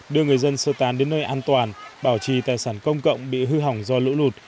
đưa người dân sơ tán đến nơi an toàn bảo trì tài sản công cộng bị hư hỏng do lũ lụt